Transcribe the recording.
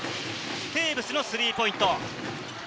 テーブスのスリーポイント。